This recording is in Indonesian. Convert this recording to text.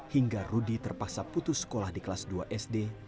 hingga rudy terpaksa putus sekolah di kelas dua sd